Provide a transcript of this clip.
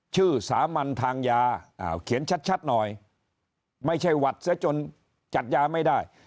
สามัญทางยาเขียนชัดหน่อยไม่ใช่หวัดเสียจนจัดยาไม่ได้